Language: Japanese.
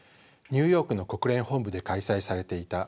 ニューヨークの国連本部で開催されていた